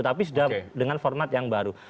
tapi sudah dengan format yang baru